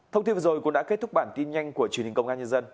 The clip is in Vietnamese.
thông tin vừa rồi cũng đã kết thúc bản tin nhanh của truyền hình công an nhân dân